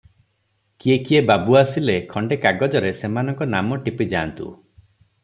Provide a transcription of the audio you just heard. କିଏ କିଏ ବାବୁ ଆସିଲେ, ଖଣ୍ଡେ କାଗଜରେ ସେମାନଙ୍କ ନାମ ଟିପିଯାଆନ୍ତୁ ।"